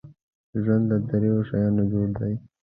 ژوند له دریو شیانو جوړ دی .